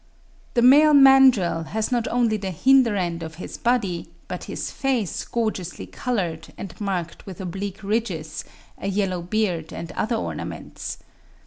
The male mandrill has not only the hinder end of his body, but his face gorgeously coloured and marked with oblique ridges, a yellow beard, and other ornaments.